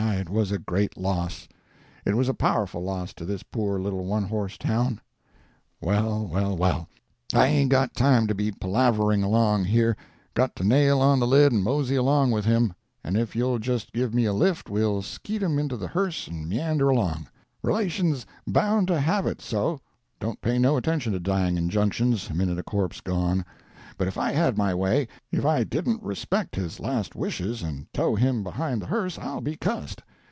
Ah, it was a great loss—it was a powerful loss to this poor little one horse town. Well, well, well, I hain't got time to be palavering along here—got to nail on the lid and mosey along with him; and if you'll just give me a lift we'll skeet him into the hearse and meander along. Relations bound to have it so—don't pay no attention to dying injunctions, minute a corpse's gone; but if I had my way, if I didn't respect his last wishes and tow him behind the hearse, I'll be cuss'd.